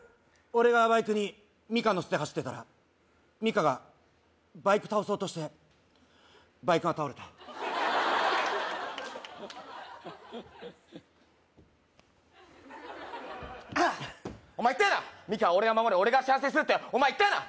俺がバイクにミカ乗せて走ってたらミカがバイク倒そうとしてバイクが倒れたお前言ったよなミカは俺が守る俺が幸せにするってお前言ったよな？